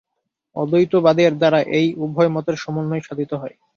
অদ্বৈতবাদের দ্বারা এই উভয় মতের সমন্বয় সাধিত হয়।